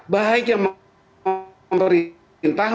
baik yang memerintah